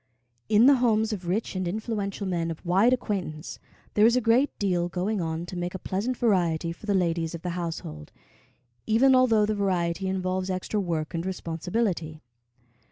In the homes of rich and influential men of wide acquaintance, there is a great deal going on to make a pleasant variety for the ladies of the household, even although the variety involves extra work and responsibility.